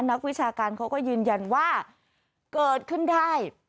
นักวิชาการเขาก็ยืนยันว่าเกิดขึ้นได้